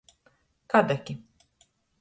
Kadaki.